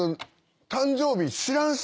誕生日知らんし。